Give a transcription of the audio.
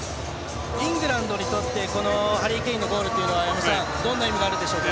イングランドにとってこのハリー・ケインのゴールというのはどんな意味があるんでしょうか？